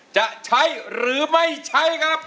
จะใช้หรือไม่ใช้ครับ